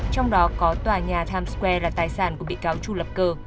trong đó có tòa nhà times square là tài sản của bị cáo chu lập cơ